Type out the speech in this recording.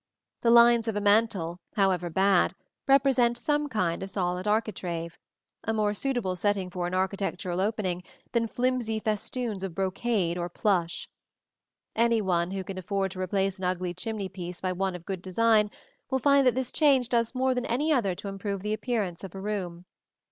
The lines of a mantel, however bad, represent some kind of solid architrave, a more suitable setting for an architectural opening than flimsy festoons of brocade or plush. Any one who can afford to replace an ugly chimney piece by one of good design will find that this change does more than any other to improve the appearance of a room.